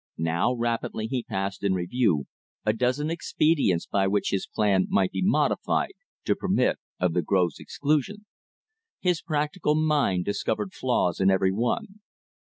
Now rapidly he passed in review a dozen expedients by which his plan might be modified to permit of the grove's exclusion. His practical mind discovered flaws in every one.